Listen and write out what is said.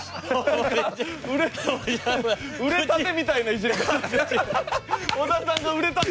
売れたてみたいなイジられ方。